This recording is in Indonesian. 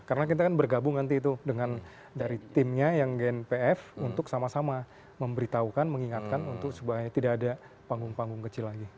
karena kita kan bergabung nanti itu dengan dari timnya yang gnpf untuk sama sama memberitahukan mengingatkan untuk supaya tidak ada panggung panggung kecil lagi